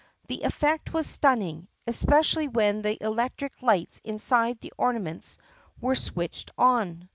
The effect was stunning, especially when the electric lights inside the ornaments were switched on.